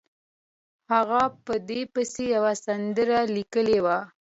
هغه په دې پسې یوه سندره لیکلې وه.